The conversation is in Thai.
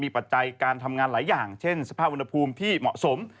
ปัจจัยการทำงานหลายอย่างเช่นสภาพอุณหภูมิที่เหมาะสม